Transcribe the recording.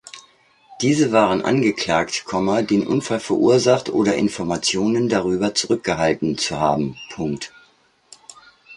Diese waren angeklagt, den Unfall verursacht oder Informationen darüber zurückgehalten zu haben.